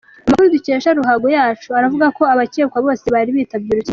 Amakuru dukesha Ruhago yacu aravugako abakekwa bose bari bitabye urukiko